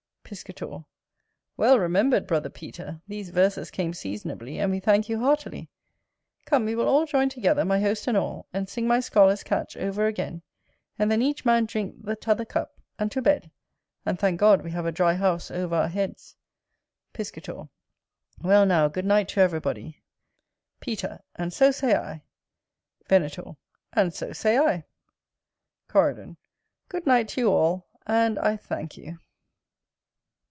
Piscator. Well remembered, brother Peter; these verses came seasonably, and we thank you heartily. Come, we will all join together, my host and all, and sing my scholar's catch over again; and then each man drink the tother cup, and to bed; and thank God we have a dry house over our heads. Piscator. Well, now, good night to everybody. Peter. And so say I. Venator. And so say I. Coridon. Good night to you all; and I thank you.